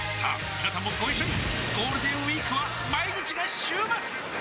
みなさんもご一緒にゴールデンウィークは毎日が週末！